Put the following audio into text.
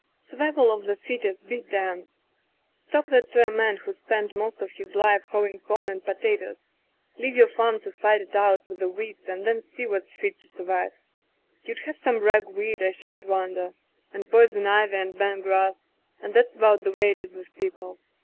Survival of the fittest be damned! Talk that to a man who's spent most of his life hoeing com and potatoes. Leave your farm to fight it out with the weeds and then see what's fit to survive. You'd have some rag weed, I shouldn't wonder — and poison ivy and bent grass — and that's about the way it is with people.